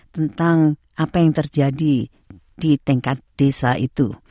tentang apa yang terjadi di tingkat desa itu